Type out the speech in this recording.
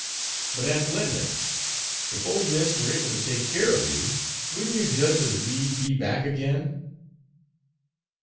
"But, Aunt Linda, if old Miss were able to take care of you, wouldn't you just as leave be back again?"